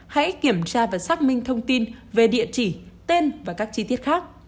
hãy kiểm tra và xác minh thông tin về địa chỉ tên và các chi tiết khác